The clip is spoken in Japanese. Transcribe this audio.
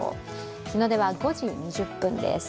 日の出は５時２０分です。